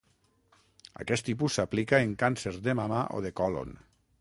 Aquest tipus s'aplica en càncers de mama o de còlon.